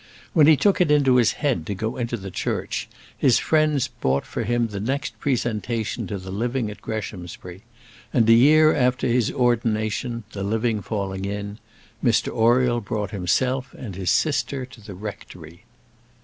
When he took it into his head to go into the Church, his friends bought for him the next presentation to the living at Greshamsbury; and, a year after his ordination, the living falling in, Mr Oriel brought himself and his sister to the rectory.